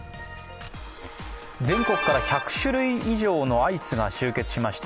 全国から１００種類以上のアイスが集結しました